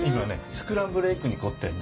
スクランブルエッグに凝ってんの。